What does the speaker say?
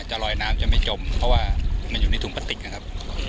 จะลอยน้ำจะไม่จมเพราะว่ามันอยู่ในถุงพลาติกนะครับ